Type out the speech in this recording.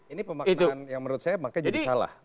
ini pemaknaan yang menurut saya makanya jadi salah